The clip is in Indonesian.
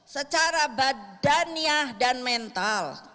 secara badannya dan mental